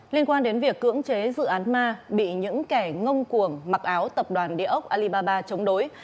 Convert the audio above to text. liên quan đến việc cưỡng chế dự án ma bị những kẻ ngông cuồng mặc áo tập đoàn địa ốc alibaba chống đối